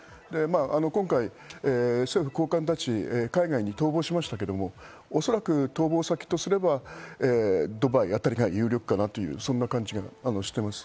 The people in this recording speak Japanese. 今回、政府高官たち、海外に逃亡しましたが、おそらく逃亡先とすれば、ドバイあたりが有力かなという感じがしています。